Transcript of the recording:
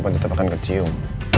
kenapa tetap akan kecium